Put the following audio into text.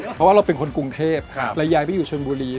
เพราะว่าเราเป็นคนกรุงเทพเราย้ายไปอยู่ชนบุรี